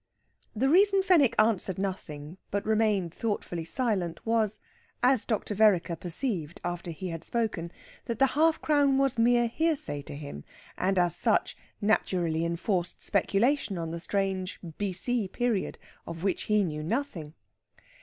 The reason Fenwick answered nothing, but remained thoughtfully silent, was, as Dr. Vereker perceived after he had spoken, that the half crown was mere hearsay to him, and, as such, naturally enforced speculation on the strange "B.C." period of which he knew nothing.